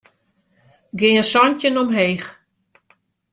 Gean santjin omheech.